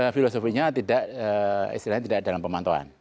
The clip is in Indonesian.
filosofinya tidak istilahnya tidak dalam pemantauan